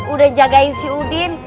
udah jagain si udin